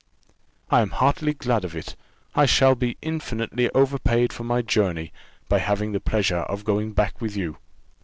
"I am heartily glad of it I shall be infinitely overpaid for my journey, by having the pleasure of going back with you."